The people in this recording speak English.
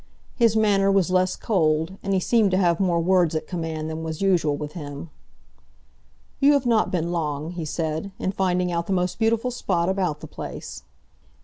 His manner was less cold, and he seemed to have more words at command than was usual with him. "You have not been long," he said, "in finding out the most beautiful spot about the place."